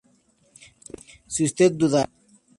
si usted dudara